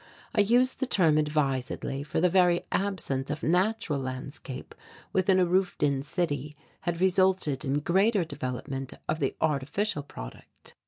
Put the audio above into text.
I use the term advisedly for the very absence of natural landscape within a roofed in city had resulted in greater development of the artificial product.